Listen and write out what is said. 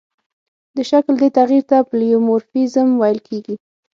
د شکل دې تغیر ته پلئومورفیزم ویل کیږي.